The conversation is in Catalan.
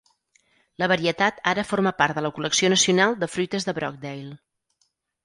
La varietat ara forma part de la Col·lecció Nacional de Fruites de Brogdale.